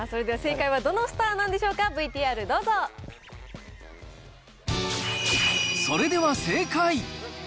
さあ、それでは正解はどのスターなんでしょうか、ＶＴＲどうそれでは正解。